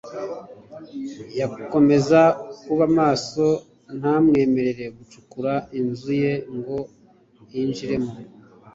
yakomeza kuba maso ntamwemerere gucukura inzu ye ngo yinjiremo